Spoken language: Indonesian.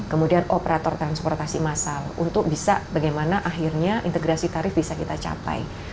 kemudian operator transportasi massal untuk bisa bagaimana akhirnya integrasi tarif bisa kita capai